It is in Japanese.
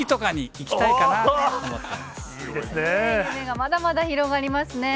まだまだ広がりますね。